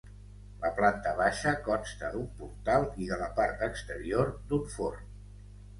La planta baixa consta d'un portal i de la part exterior d'un forn.